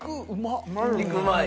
肉うまい？